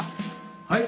はい。